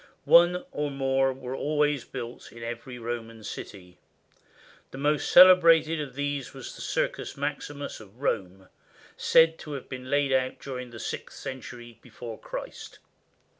One or more were always built in every Roman city. The most cele brated of these was the Circus Maximus of Rome, said to have been laid out during the sixth century before Christ.